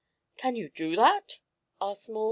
"Can you do that?" asked Maud.